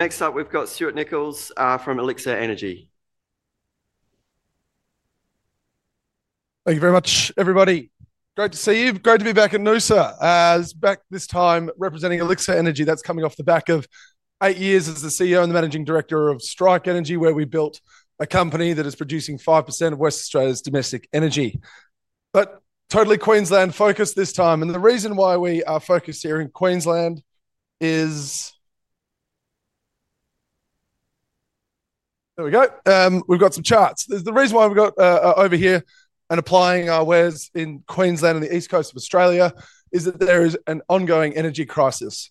Next up, we've got Stuart Nicholls from Elixir Energy. Thank you very much, everybody. Great to see you. Great to be back at NUSA. Back this time, representing Elixir Energy. That's coming off the back of eight years as the CEO and the Managing Director of Strike Energy, where we built a company that is producing 5% of West Australia's domestic energy. Totally Queensland-focused this time. The reason why we are focused here in Queensland is—there we go. We've got some charts. The reason why we've got over here and applying our wares in Queensland and the East Coast of Australia is that there is an ongoing energy crisis.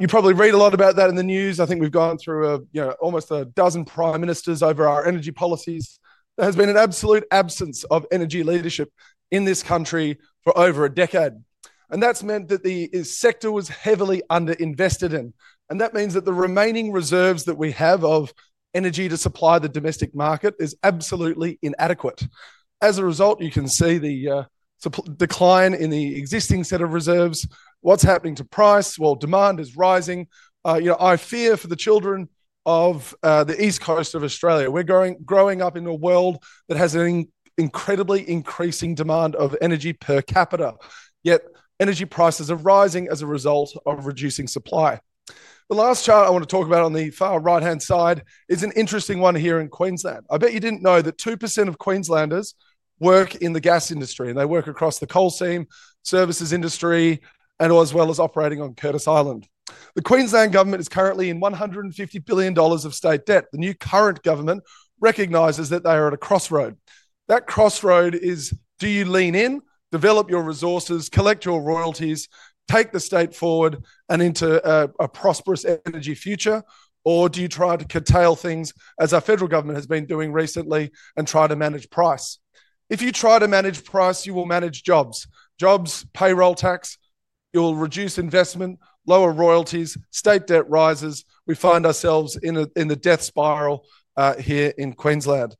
You probably read a lot about that in the news. I think we've gone through almost a dozen Prime Ministers over our energy policies. There has been an absolute absence of energy leadership in this country for over a decade. That has meant that the sector was heavily underinvested in. That means that the remaining reserves that we have of energy to supply the domestic market are absolutely inadequate. As a result, you can see the decline in the existing set of reserves. What is happening to price? Demand is rising. I fear for the children of the East Coast of Australia. We are growing up in a world that has an incredibly increasing demand of energy per capita. Yet energy prices are rising as a result of reducing supply. The last chart I want to talk about on the far right-hand side is an interesting one here in Queensland. I bet you did not know that 2% of Queenslanders work in the gas industry. They work across the coal seam, services industry, and as well as operating on Curtis Island. The Queensland government is currently in 150 billion dollars of state debt. The new current government recognizes that they are at a crossroad. That crossroad is, do you lean in, develop your resources, collect your royalties, take the state forward and into a prosperous energy future? Or do you try to curtail things, as our federal government has been doing recently, and try to manage price? If you try to manage price, you will manage jobs. Jobs, payroll tax, you'll reduce investment, lower royalties, state debt rises. We find ourselves in the death spiral here in Queensland.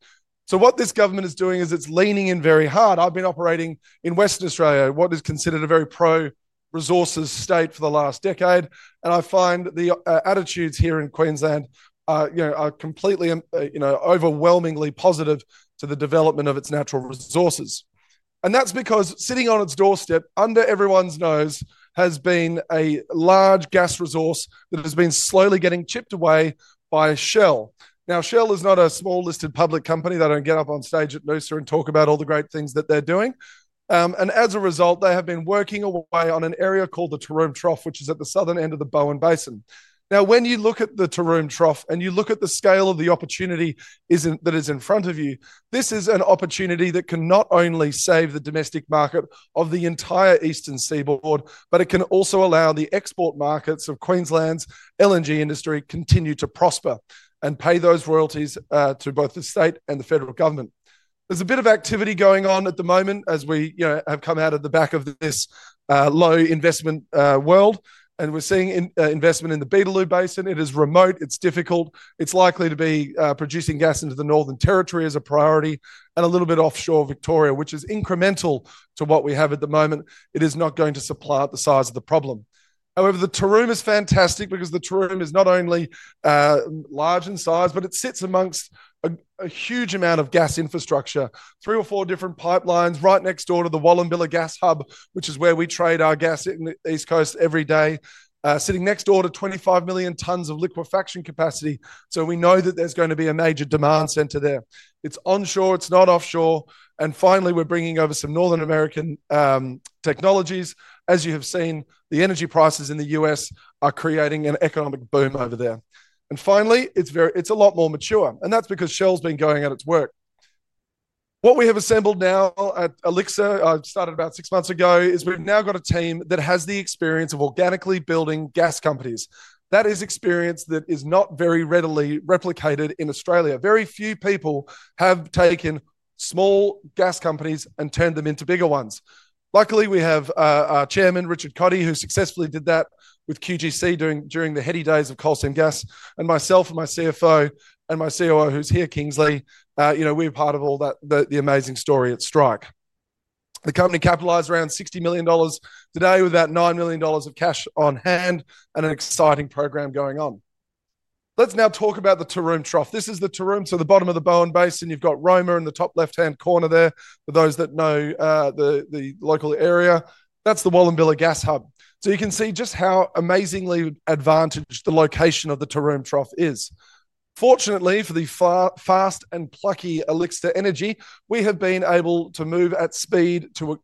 What this government is doing is it's leaning in very hard. I've been operating in Western Australia, what is considered a very pro-resources state for the last decade. I find the attitudes here in Queensland are completely overwhelmingly positive to the development of its natural resources. That is because sitting on its doorstep, under everyone's nose, has been a large gas resource that has been slowly getting chipped away by Shell. Now, Shell is not a small listed public company. They do not get up on stage at NUSA and talk about all the great things that they are doing. As a result, they have been working away on an area called the Taroom Trough, which is at the southern end of the Bowen Basin. When you look at the Taroom Trough and you look at the scale of the opportunity that is in front of you, this is an opportunity that can not only save the domestic market of the entire eastern seaboard, but it can also allow the export markets of Queensland's LNG industry to continue to prosper and pay those royalties to both the state and the federal government. There's a bit of activity going on at the moment as we have come out of the back of this low investment world. And we're seeing investment in the Beetaloo Basin. It is remote. It's difficult. It's likely to be producing gas into the Northern Territory as a priority and a little bit offshore Victoria, which is incremental to what we have at the moment. It is not going to supply the size of the problem. However, the Taroom is fantastic because the Taroom is not only large in size, but it sits amongst a huge amount of gas infrastructure. Three or four different pipelines right next door to the Wallumbilla Gas Hub, which is where we trade our gas in the East Coast every day, sitting next door to 25 million tons of liquefaction capacity. So we know that there's going to be a major demand center there. It's onshore. It's not offshore. Finally, we're bringing over some Northern American technologies. As you have seen, the energy prices in the U.S. are creating an economic boom over there. Finally, it's a lot more mature. That's because Shell's been going at its work. What we have assembled now at Elixir, I started about six months ago, is we've now got a team that has the experience of organically building gas companies. That is experience that is not very readily replicated in Australia. Very few people have taken small gas companies and turned them into bigger ones. Luckily, we have Chairman Richard Cotter, who successfully did that with QGC during the heady days of coal seam gas, and myself and my CFO and my COO, who's here, Kingsley. We were part of all that, the amazing story at Strike. The company capitalized around 60 million dollars today with about 9 million dollars of cash on hand and an exciting program going on. Let's now talk about the Taroom Trough. This is the Taroom, so the bottom of the Bowen Basin. You've got Roma in the top left-hand corner there for those that know the local area. That's the Wallumbilla Gas Hub. You can see just how amazingly advantaged the location of the Taroom Trough is. Fortunately for the fast and plucky Elixir Energy, we have been able to move at speed to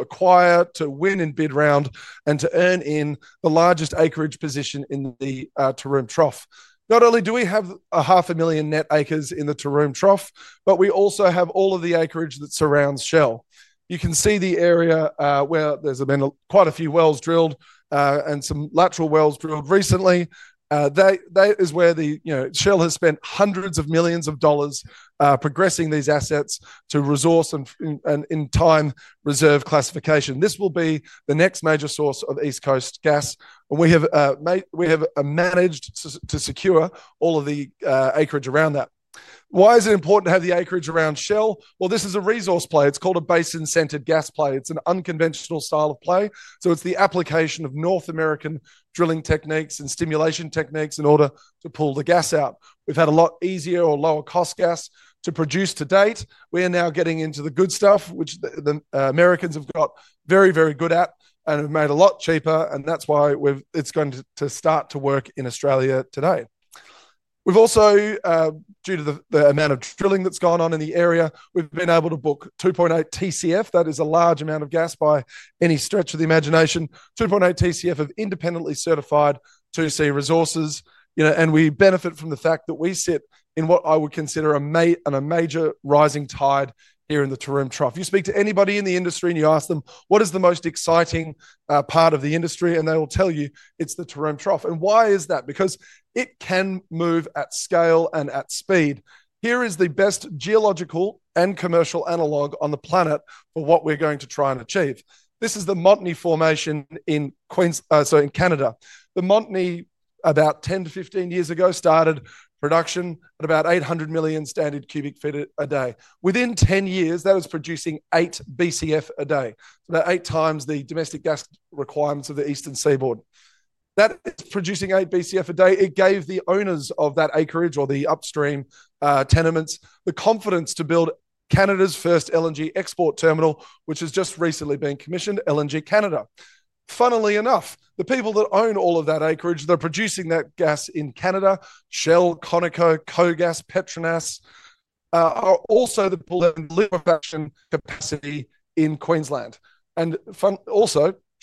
acquire, to win in bid round, and to earn in the largest acreage position in the Taroom Trough. Not only do we have 500,000 net acres in the Taroom Trough, but we also have all of the acreage that surrounds Shell. You can see the area where there's been quite a few wells drilled and some lateral wells drilled recently. That is where Shell has spent hundreds of millions of dollars progressing these assets to resource and in time reserve classification. This will be the next major source of East Coast gas. We have managed to secure all of the acreage around that. Why is it important to have the acreage around Shell? This is a resource play. It's called a basin-centered gas play. It's an unconventional style of play. It's the application of North American drilling techniques and stimulation techniques in order to pull the gas out. We've had a lot easier or lower-cost gas to produce to date. We are now getting into the good stuff, which the Americans have got very, very good at and have made a lot cheaper. That is why it is going to start to work in Australia today. We have also, due to the amount of drilling that has gone on in the area, been able to book 2.8 TCF. That is a large amount of gas by any stretch of the imagination. 2.8 TCF of independently certified 2C resources. We benefit from the fact that we sit in what I would consider a major rising tide here in the Taroom Trough. You speak to anybody in the industry and you ask them, "What is the most exciting part of the industry?" They will tell you, "It is the Taroom Trough." Why is that? Because it can move at scale and at speed. Here is the best geological and commercial analogue on the planet for what we are going to try and achieve. This is the Montney Formation in Canada. The Montney, about 10 to 15 years ago, started production at about 800 million standard cubic feet a day. Within 10 years, that was producing 8 BCF a day. That's eight times the domestic gas requirements of the eastern seaboard. That is producing 8 BCF a day. It gave the owners of that acreage or the upstream tenements the confidence to build Canada's first LNG export terminal, which has just recently been commissioned, LNG Canada. Funnily enough, the people that own all of that acreage, they're producing that gas in Canada. Shell, Conoco, KOGAS, PETRONAS are also the people that have liquefaction capacity in Queensland.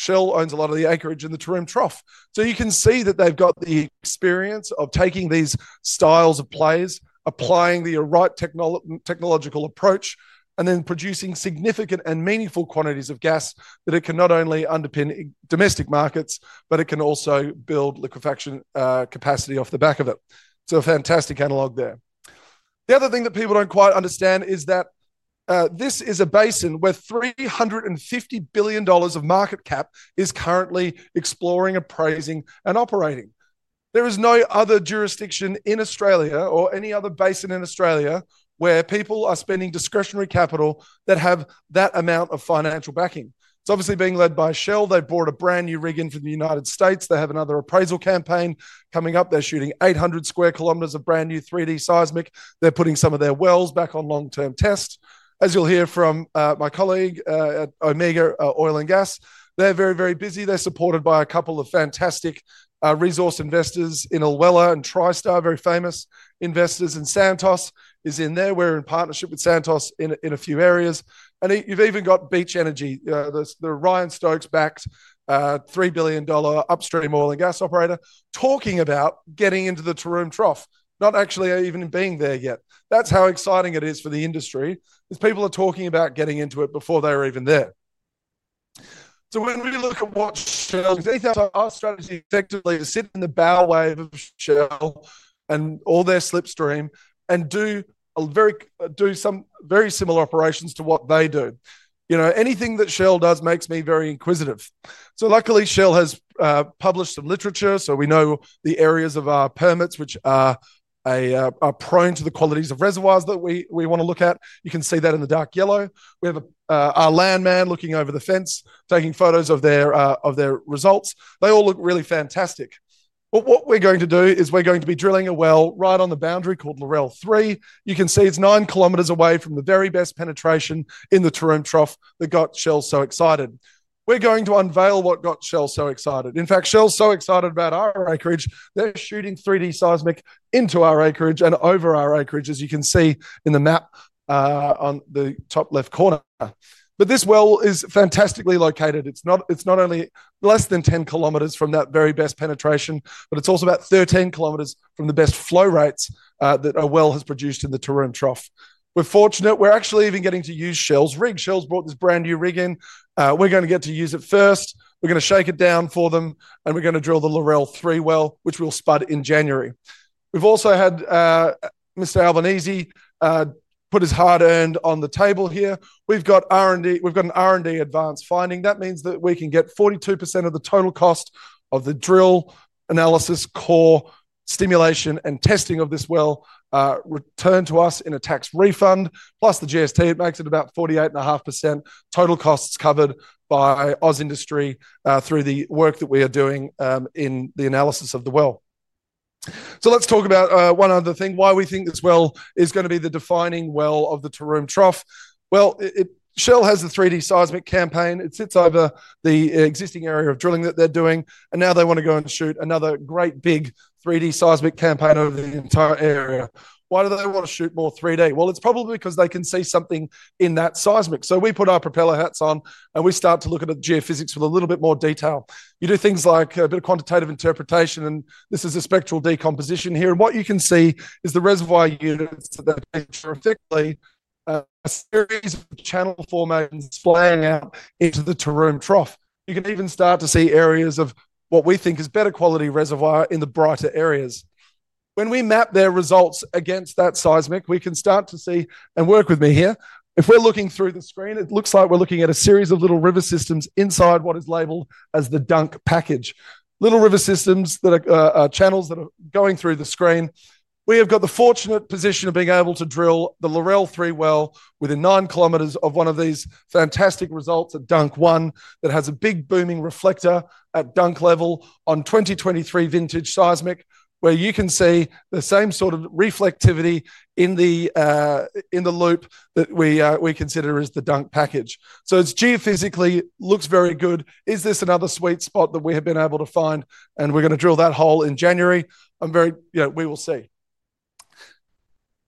Shell owns a lot of the acreage in the Taroom Trough. You can see that they've got the experience of taking these styles of plays, applying the right technological approach, and then producing significant and meaningful quantities of gas that it can not only underpin domestic markets, but it can also build liquefaction capacity off the back of it. It's a fantastic analogue there. The other thing that people don't quite understand is that this is a basin where 350 billion dollars of market cap is currently exploring, appraising, and operating. There is no other jurisdiction in Australia or any other basin in Australia where people are spending discretionary capital that have that amount of financial backing. It's obviously being led by Shell. They bought a brand new rig in from the United States. They have another appraisal campaign coming up. They're shooting 800 sq km of brand new 3D seismic. They're putting some of their wells back on long-term test. As you'll hear from my colleague, Omega Oil and Gas, they're very, very busy. They're supported by a couple of fantastic resource investors in Ulwella and Tri Star, very famous investors in Santos is in there. We're in partnership with Santos in a few areas. You've even got Beach Energy, the Ryan Stokes-backed 3 billion dollar upstream oil and gas operator, talking about getting into the Taroom Trough, not actually even being there yet. That's how exciting it is for the industry as people are talking about getting into it before they are even there. When we look at what Shell is, our strategy effectively is sit in the bow wave of Shell and all their slipstream and do some very similar operations to what they do. Anything that Shell does makes me very inquisitive. Luckily, Shell has published some literature. We know the areas of our permits which are prone to the qualities of reservoirs that we want to look at. You can see that in the dark yellow. We have our landman looking over the fence, taking photos of their results. They all look really fantastic. What we are going to do is we are going to be drilling a well right on the boundary called Lorelle 3. You can see it is 9 km away from the very best penetration in the Taroom Trough that got Shell so excited. We are going to unveil what got Shell so excited. In fact, Shell is so excited about our acreage, they are shooting 3D seismic into our acreage and over our acreage, as you can see in the map on the top left corner. This well is fantastically located. It's not only less than 10 km from that very best penetration, but it's also about 13 km from the best flow rates that a well has produced in the Taroom Trough. We're fortunate. We're actually even getting to use Shell's rig. Shell's brought this brand new rig in. We're going to get to use it first. We're going to shake it down for them. We're going to drill the Lorelle 3 well, which we'll spud in January. We've also had Mr. Albanese put his hard earned on the table here. We've got an R&D advance finding. That means that we can get 42% of the total cost of the drill, analysis, core, stimulation, and testing of this well returned to us in a tax refund. Plus the GST, it makes it about 48.5% total costs covered by Ozindustry through the work that we are doing in the analysis of the well. Let's talk about one other thing. Why we think this well is going to be the defining well of the Taroom Trough. Shell has the 3D seismic campaign. It sits over the existing area of drilling that they're doing. Now they want to go and shoot another great big 3D seismic campaign over the entire area. Why do they want to shoot more 3D? It's probably because they can see something in that seismic. We put our propeller hats on, and we start to look at the geophysics with a little bit more detail. You do things like a bit of quantitative interpretation. This is a spectral decomposition here. What you can see is the reservoir units that are effectively a series of channel formations flying out into the Taroom Trough. You can even start to see areas of what we think is better quality reservoir in the brighter areas. When we map their results against that seismic, we can start to see, and work with me here, if we're looking through the screen, it looks like we're looking at a series of little river systems inside what is labeled as the dunk package. Little river systems that are channels that are going through the screen. We have got the fortunate position of being able to drill the Lorelle 3 well within 9 km of one of these fantastic results at Dunk 1 that has a big booming reflector at Dunk level on 2023 vintage seismic, where you can see the same sort of reflectivity in the loop that we consider as the Dunk package. It geophysically looks very good. Is this another sweet spot that we have been able to find? We are going to drill that hole in January. We will see.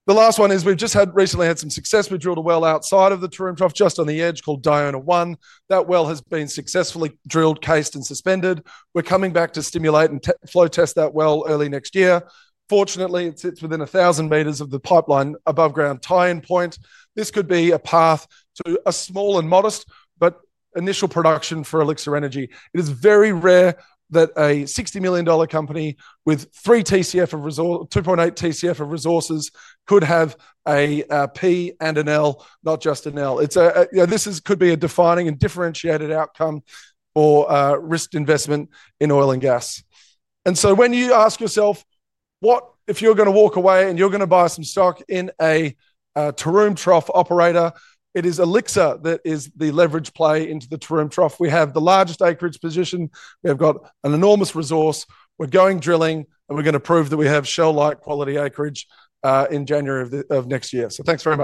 The last one is we have just recently had some success. We drilled a well outside of the Taroom Trough, just on the edge called Diona 1. That well has been successfully drilled, cased, and suspended. We are coming back to stimulate and flow test that well early next year. Fortunately, it sits within 1,000 m of the pipeline above ground tie-in point. This could be a path to a small and modest but initial production for Elixir Energy. It is very rare that a 60 million dollar company with 2.8 TCF of resources could have a P and an L, not just an L. This could be a defining and differentiated outcome for risk investment in oil and gas. When you ask yourself, what if you're going to walk away and you're going to buy some stock in a Taroom Trough operator? It is Elixir that is the leverage play into the Taroom Trough. We have the largest acreage position. We have got an enormous resource. We're going drilling, and we're going to prove that we have Shell-like quality acreage in January of next year. Thanks very much.